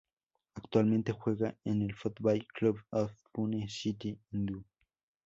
Actualmente juega en el Football Club of Pune City hindú.